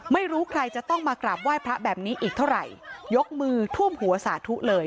ไม่รู้ใครจะต้องมากราบไหว้พระแบบนี้อีกเท่าไหร่ยกมือท่วมหัวสาธุเลย